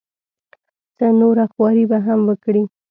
څه نوره خواري به هم وکړي.